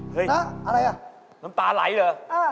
เฮ่ยอะไรน่ะน้ำตาไหลเหรอเอ้อ